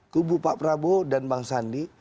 kubu pak prabowo dan bang sandi